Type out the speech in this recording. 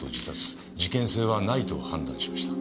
事件性はないと判断しました。